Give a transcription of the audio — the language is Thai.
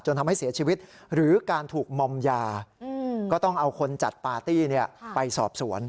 ทำให้เสียชีวิตหรือการถูกมอมยาก็ต้องเอาคนจัดปาร์ตี้ไปสอบสวน